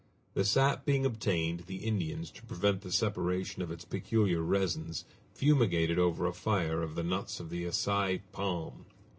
The sap being obtained, the Indians, to prevent the separation of its peculiar resins, fumigate it over a fire of the nuts of the assai palm.